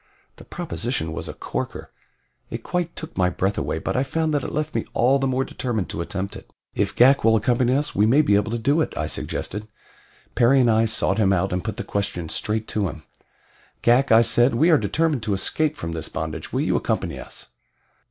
The proposition was a corker. It quite took my breath away; but I found that it left me all the more determined to attempt it. "If Ghak will accompany us we may be able to do it," I suggested. Perry and I sought him out and put the question straight to him. "Ghak," I said, "we are determined to escape from this bondage. Will you accompany us?"